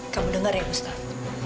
kamu dengar ya ustaz